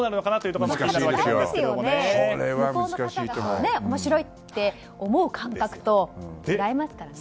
向こうの方が面白いと思う感覚と違いますからね。